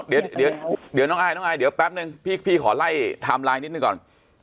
เดี๋ยวน้องอายน้องอายเดี๋ยวแป๊บนึงพี่ขอไล่ไทม์ไลน์นิดหนึ่งก่อน